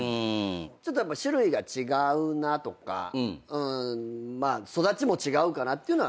ちょっと種類が違うなとか育ちも違うかなっていうのは？